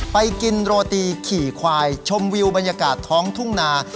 ไปกินโรตีขี่ควายชมวิวบรรยากาศท้องทุ่งนา